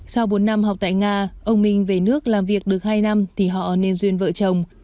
sau bốn năm học tại nga ông minh về nước làm việc được hai năm thì họ nên duyên vợ chồng